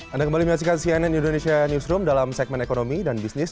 anda kembali menyaksikan cnn indonesia newsroom dalam segmen ekonomi dan bisnis